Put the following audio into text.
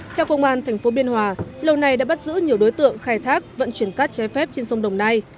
theo công an tp biên hòa lâu nay đã bắt giữ nhiều đối tượng khai thác vận chuyển cát trái phép trên sông đồng nai